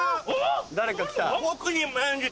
誰か来た。